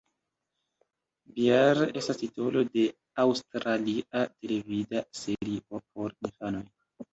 Bear estas titolo de aŭstralia televida serio por infanoj.